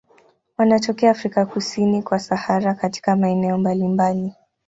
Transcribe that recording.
Wanatokea Afrika kusini kwa Sahara katika maeneo mbalimbali.